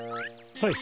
はい。